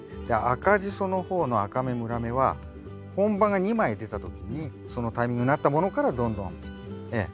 赤ジソの方の赤芽紫芽は本葉が２枚出た時にそのタイミングになったものからどんどんええ